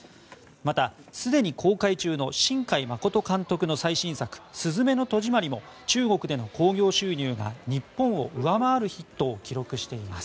また、すでに公開中の新海誠監督の最新作「すずめの戸締まり」も中国での興行収入が日本を上回るヒットを記録しています。